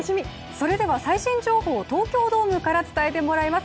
それでは最新情報を東京ドームから伝えてもらいます。